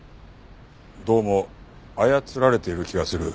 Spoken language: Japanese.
どうも操られている気がする。